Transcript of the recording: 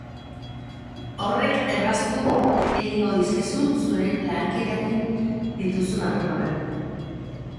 Horrek erraztu egingo dizkizu zure lankideekin dituzun harremanak.